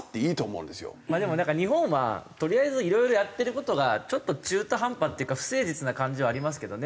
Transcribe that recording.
まあでもなんか日本はとりあえずいろいろやってる事がちょっと中途半端っていうか不誠実な感じはありますけどね。